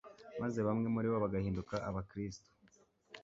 maze bamwe muri bo bagahinduka abakristo